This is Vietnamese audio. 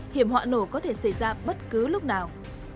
hiểm họa nổ có thể xảy ra bất cứ lúc nào